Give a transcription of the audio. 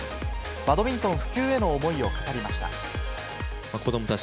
バドミントン普及への思いを語りました。